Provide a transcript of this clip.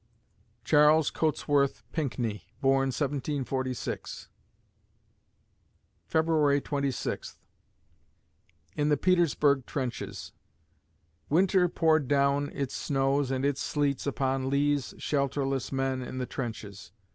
'" Charles Cotesworth Pinckney born, 1746 February Twenty Sixth IN THE PETERSBURG TRENCHES Winter poured down its snows and its sleets upon Lee's shelterless men in the trenches.